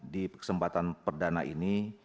di kesempatan perdana ini